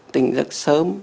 tình giấc sớm